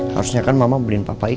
harusnya kan mama beliin pengobatannya ya